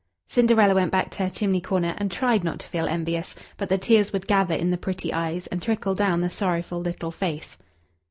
Cinderella went back to her chimney corner, and tried not to feel envious, but the tears would gather in the pretty eyes, and trickle down the sorrowful little face.